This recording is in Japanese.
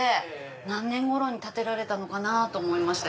何年頃に建てられたのかなと思いまして。